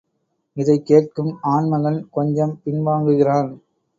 இதைக் கேட்கும் ஆண்மகன் கொஞ்சம் பின்வாங்குகிறான்.